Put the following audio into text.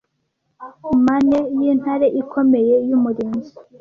mane yintare ikomeye y’umurinzi